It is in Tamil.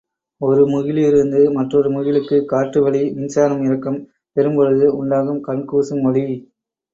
ஒரு முகிலிலிருந்து மற்றொரு முகிலுக்குக் காற்றுவெளி மின்சாரம் இறக்கம் பெறும்பொழுது உண்டாகும் கண்கூசும் ஒளி.